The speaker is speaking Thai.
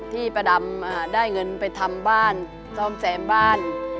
ป้าดำได้เงินไปทำบ้านซ่อมแซมบ้าน